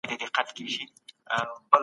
سرمایه داري نظام په معاصر وخت کي وده وکړه.